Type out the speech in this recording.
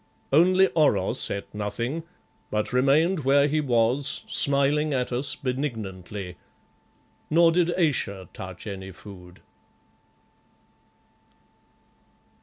Only Oros ate nothing, but remained where he was, smiling at us benignantly, nor did Ayesha touch any food.